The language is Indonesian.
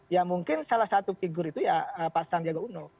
ya mungkin salah satu figur itu ya pak sandiaga uno